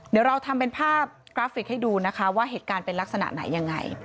เดี๋ยวเราทำเป็นภาพกราฟิกให้ดูนะคะว่าเหตุการณ์เป็นลักษณะไหนยังไง